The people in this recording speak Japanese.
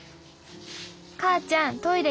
『かあちゃんトイレ